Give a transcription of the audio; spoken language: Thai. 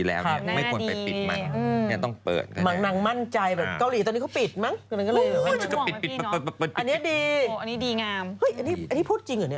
แล้วคุณแม่ต้องเป็นคนอ่านข่าวนี้ด้วย